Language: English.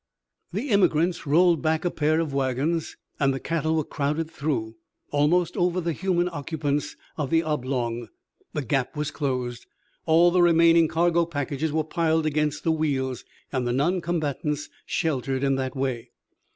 The emigrants rolled back a pair of wagons, and the cattle were crowded through, almost over the human occupants of the oblong. The gap was closed. All the remaining cargo packages were piled against the wheels, and the noncombatants sheltered in that way.